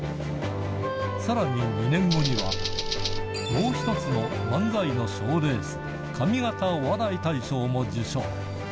さらに２年後には、もう一つの漫才の賞レース、上方お笑い大賞も受賞。